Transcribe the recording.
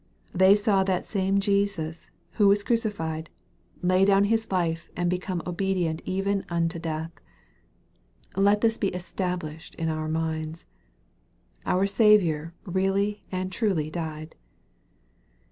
They saw that same Jesus, who was era 350 EXPOSITORY THOUGHTS. cified, lay down His life, and become obedient even unto death. Let this be established in our minds. Our Sa viour really and truly died.